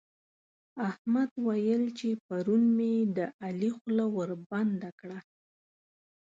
احمد ويل چې پرون مې د علي خوله وربنده کړه.